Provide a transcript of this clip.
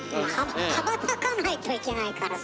羽ばたかないといけないからさ。